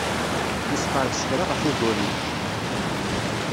Nesqerdec kra ɣef ugur-nni.